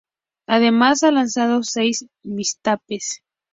Además, ha lanzado seis "mixtapes".